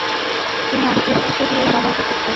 তিনি অস্ত্র-শস্ত্র দিয়ে সহায়তা করতেন।